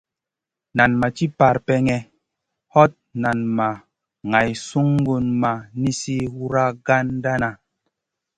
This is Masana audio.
Nan ma ci parpèŋè, hot nan ma ŋay sungun ma nizi wragandana.